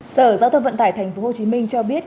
sở giao thông vận tải tp hcm cho biết